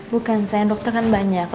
bukan sayang dokter kan banyak